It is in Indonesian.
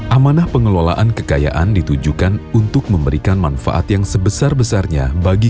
amanah pengelolaan kekayaan ditujukan untuk memberikan manfaat yang sebesar besarnya bagi